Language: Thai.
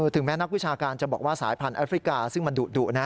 ถึงแม้นักวิชาการจะบอกว่าสายพันธแอฟริกาซึ่งมันดุนะ